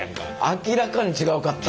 明らかに違かった。